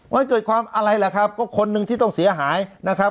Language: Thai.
มันเกิดความอะไรแหละครับก็คนหนึ่งที่ต้องเสียหายนะครับ